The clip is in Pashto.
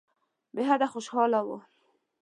بېحده خوشاله وو.